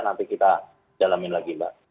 nanti kita jalanin lagi mbak